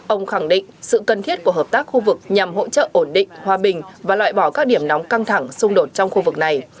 ông khẳng định sự cần thiết của hợp tác khu vực nhằm hỗ trợ ổn định hòa bình và loại bỏ các điểm nóng căng thẳng xung đột trong khu vực này